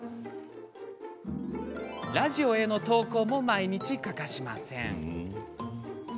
ラジオへの投稿も毎日欠かしません。